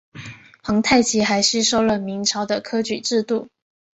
皇太极还吸收了明朝的科举制度。